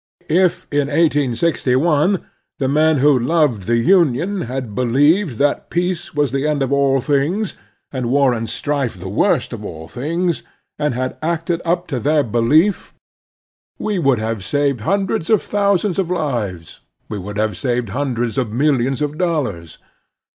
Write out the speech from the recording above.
If in 1 86 1 the men who loved the Union had be lieved that peace was the end of all things, and war and strife the worst of all things, and had acted up to their belief, we would have saved him dreds of thousands of lives, we would have saved hundreds of millions of dollars.